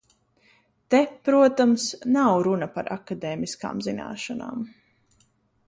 Te, protams, nav runa par akadēmiskām zināšanām.